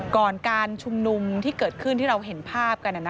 การชุมนุมที่เกิดขึ้นที่เราเห็นภาพกัน